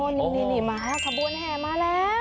โอ้ยนี่มาว่าขบวนแห่มาแล้ว